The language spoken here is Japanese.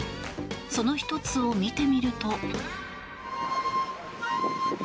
その１つを見てみると。